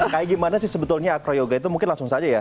kayak gimana sih sebetulnya acroyoga itu mungkin langsung saja ya